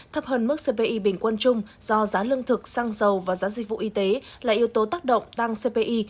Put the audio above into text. thấp hơn mức cpi bình quân chung do giá lương thực xăng dầu và giá dịch vụ y tế là yếu tố tác động tăng cpi